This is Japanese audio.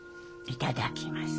いただきます。